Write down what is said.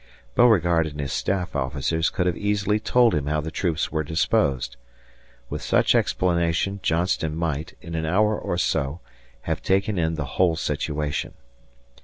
Beauregard and his staff officers could have easily told him how the troops were disposed. With such explanation Johnston might, in an hour or so, have taken in the whole situation.